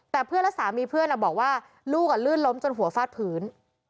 แต่เพื่อนและสามีเพื่อนบอกว่าลูกลื่นล้มจนหัวฟาดพื้น